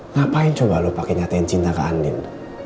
ngapain coba lu pake nyatain cinta ke andien